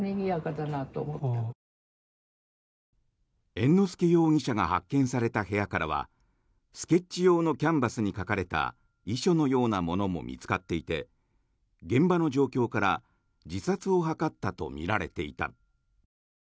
猿之助容疑者が発見された部屋からはスケッチ用のキャンバスに書かれた遺書のようなものも見つかっていて現場の状況から自殺を図ったとみられていた。